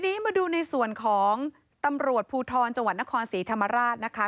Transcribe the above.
ทีนี้มาดูในส่วนของตำรวจภูทรจังหวัดนครศรีธรรมราชนะคะ